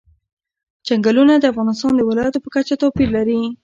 چنګلونه د افغانستان د ولایاتو په کچه توپیر لري.